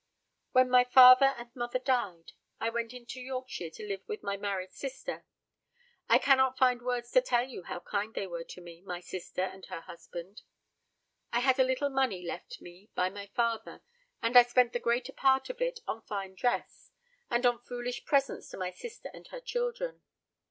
"When my father and mother died, I went into Yorkshire to live with my married sister. I cannot find words to tell you how kind they were to me my sister and her husband. I had a little money left me by my father, and I spent the greater part of it on fine dress, and on foolish presents to my sister and her children.